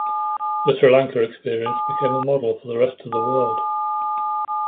The Sri Lanka experience became a model for the rest of the world.